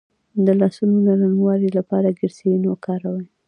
د لاسونو د نرموالي لپاره ګلسرین وکاروئ